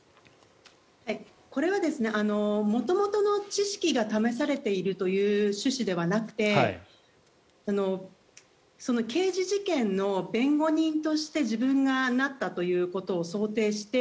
これは元々の知識が試されているという趣旨ではなくて刑事事件の弁護人として自分がなったということを想定して